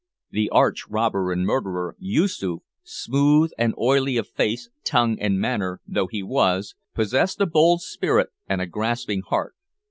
The arch robber and murderer, Yoosoof smooth and oily of face, tongue, and manner though he was possessed a bold spirit and a grasping heart.